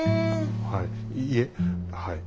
はいいいえはい。